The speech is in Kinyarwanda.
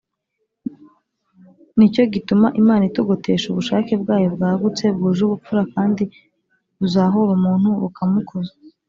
ni cyo gituma imana itugotesha ubushake bwayo, bwagutse, bwuje ubupfura, kandi buzahura umuntu bukamukuza